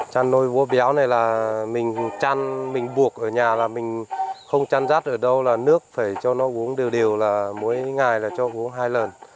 chăn nuôi vú béo này là mình chăn mình buộc ở nhà là mình không chăn rắt ở đâu là nước phải cho nó uống đều đều là mỗi ngày là cho uống hai lần